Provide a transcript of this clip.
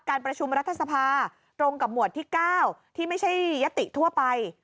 การประชุมรัฐสภาตรงกับหมวดที่๙ที่ไม่ใช่ยติทั่วไป